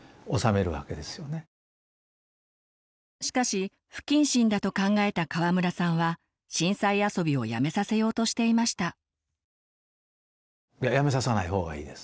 しかし不謹慎だと考えた川村さんは震災遊びをやめさせようとしていました。